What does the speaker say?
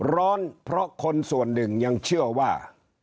ร้อนเพราะคนส่วนหนึ่งยังเชื่อว่า